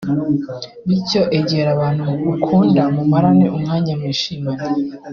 bityo egera abantu ukunda mumarane umwanya mwishimane